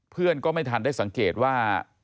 เพื่อนก็ไม่ทันได้สังเกตว่า